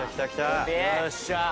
よっしゃー！